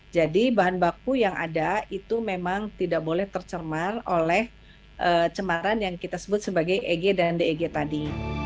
jadi bahan baku yang ada itu memang tidak boleh tercemar oleh cemaran yang kita sebut sebagai eg dan deg tadi